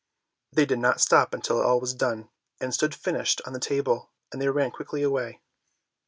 They did not stop until all was done, and stood finished on the table, and they ran quickly away.